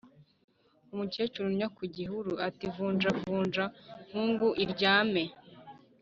Umukecuru unnya ku gihuru ati vunjavunja Nkungu iryame